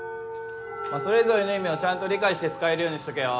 それぞれの意味をちゃんと理解して使えるようにしとけよ。